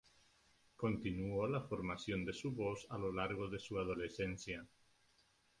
Continuó la formación de su voz a lo largo de su adolescencia.